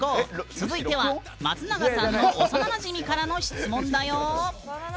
続いては松永さんの幼なじみからの質問だよ。